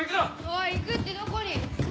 おい行くってどこに？